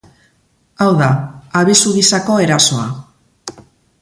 Hau da, abisu gisako erasoa.